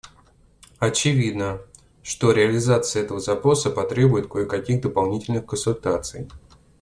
Очевидно, что реализация этого запроса потребует кое-каких дополнительных консультаций.